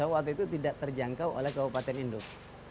waktu itu tidak terjangkau oleh kabupaten induk